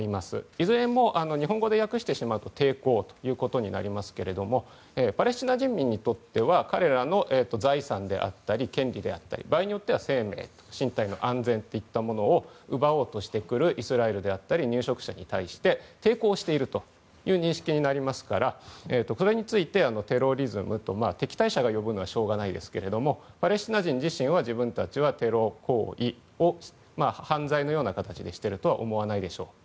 いずれも日本語で訳してしまうと抵抗ということになりますがパレスチナ人民にとっては彼らの財産であったり権利であったり、場合によっては生命、身体の安全を奪おうとしてくるイスラエルや入植者に対して抵抗しているという認識になりますからそれについてテロリズムと敵対者が呼ぶのはしょうがないですがパレスチナ人自身は自分たちはテロ行為を犯罪のような形にしてるとは思わないでしょう。